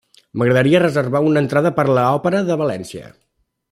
M'agradaria reservar una entrada per a l'òpera de València.